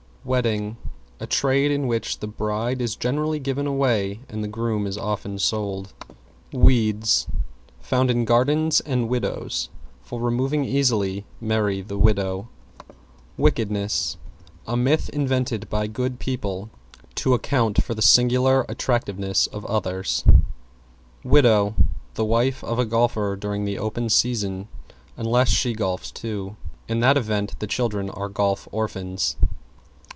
=WEDDING= A trade in which the bride is generally given away, and the groom is often sold. =WEEDS= Found in gardens and widows. For removing easily, marry the widow. =WICKEDNESS= A myth invented by good people to account for the singular attractiveness of others. =WIDOW= The wife of a golfer during the open season, unless she golfs, too. In that event the children are golf orphans.